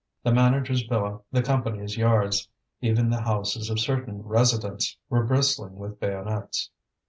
The manager's villa, the Company's Yards, even the houses of certain residents, were bristling with bayonets.